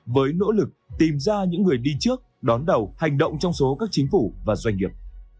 với nỗ lực tìm ra những người đi trước đón đầu hành động trong số các chính phủ và doanh nghiệp